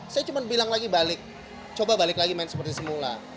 saya cuma bilang lagi balik coba balik lagi main seperti semula